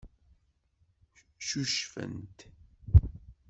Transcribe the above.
Ccucfent.